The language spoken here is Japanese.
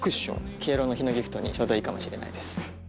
敬老の日のギフトにちょうどいいかもしれないです。